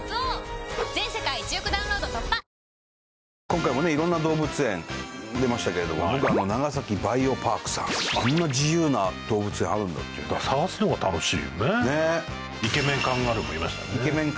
今回もね色んな動物園出ましたけれども長崎バイオパークさんあんな自由な動物園あるんだっていう探すのが楽しいよねねえイケメン